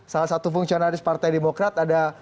salah satu fungsionaris partai demokrat ada